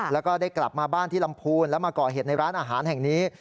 แล้วก็ได้กลับมาบ้านที่ลำพูนแล้วมาก่อเหตุในร้านอาหารแห่งนี้